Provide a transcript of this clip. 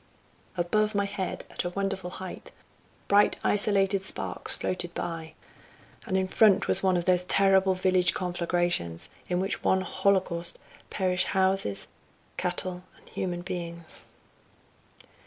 Above my head, at a wonderful height, bright isolated sparks floated by, and in front was one of those terrible village conflagrations, in which in one holocaust perish houses, cattle and human beings.